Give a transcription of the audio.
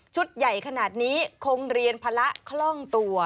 ชุดใหญ่ขนาดนี้โครงเรียนพละคล่องตัว